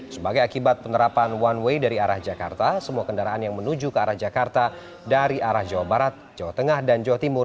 sebagai akibat penerapan one way dari arah jakarta semua kendaraan yang menuju ke arah jakarta dari arah jawa barat jawa tengah dan jawa timur